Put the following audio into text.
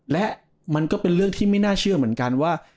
และมันก็เป็นเรื่องที่ไม่น่าเชื่อเหมือนกันว่า